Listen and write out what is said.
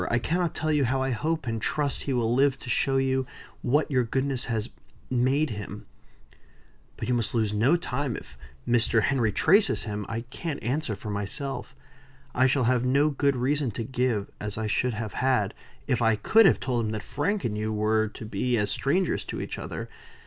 I cannot tell you how I hope and trust he will live to show you what your goodness has made him." "But you must lose no time. If Mr. Henry traces him; I can't answer for myself. I shall have no good reason to give, as I should have had, if I could have told him that Frank and you were to be as strangers to each other.